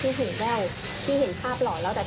คือตกใจว่าเป็นอะไรแต่คนอื่นก็มองแบบ